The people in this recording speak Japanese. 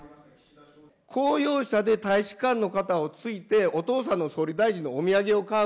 公用車で大使館の方がついて、お父さんの総理大臣のお土産を買う。